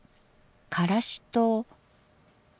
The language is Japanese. からしと。